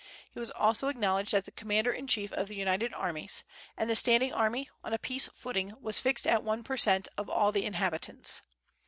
He was also acknowledged as the commander in chief of the united armies; and the standing army, on a peace footing, was fixed at one per cent of all the inhabitants.